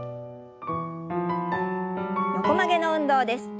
横曲げの運動です。